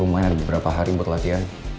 lumayan ada beberapa hari buat latihan